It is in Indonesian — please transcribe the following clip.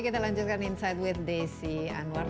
kita lanjutkan insight with desi anwar